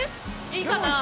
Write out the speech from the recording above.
いいかなあ？